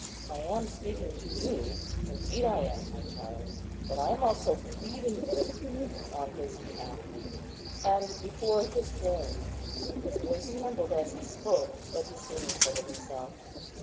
I am speaking to you, indeed I am, my child; but I am also pleading with you on His behalf, and before His throne." His voice trembled as he spoke, but he soon recovered himself.